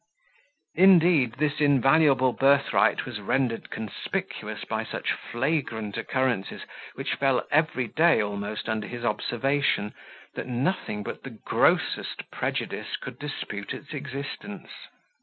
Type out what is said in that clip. Indeed this invaluable birthright was rendered conspicuous by such flagrant occurrences, which fell every day almost under his observation, that nothing but the grossest prejudice could dispute its existence.